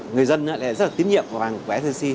người dân lại rất là tiến nhiệm vào vàng sgc